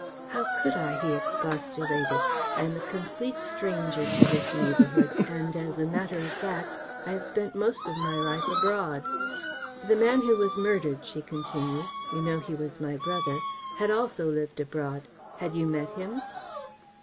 "How could I?" he expostulated. "I am a complete stranger to this neighbourhood, and, as a matter of fact, I have spent most of my life abroad." "The man who was murdered," she continued "you know he was my brother had also lived abroad. Had you met him?"